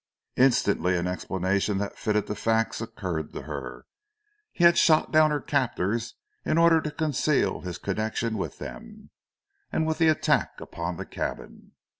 Instantly an explanation that fitted the facts occurred to her. He had shot down her captors in order to conceal his connection with them and with the attack upon the cabin.